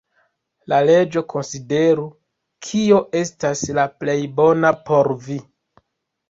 La leĝo konsideru, kio estas la plej bona por vi.